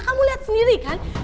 kamu lihat sendiri kan